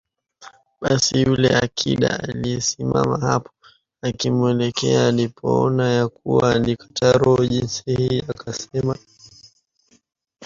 Basi yule akida aliyesimama hapo akimwelekea alipoona ya kuwa alikata roho jinsi hii akasema